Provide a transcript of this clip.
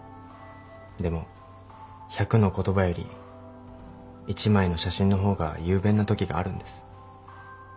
でも１００の言葉より１枚の写真の方が雄弁なときがあるんです。